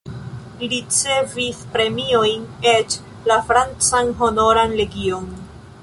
Li ricevis premiojn, eĉ la francan Honoran legion.